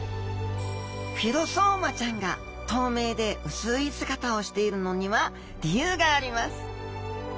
フィロソーマちゃんが透明で薄い姿をしているのには理由があります。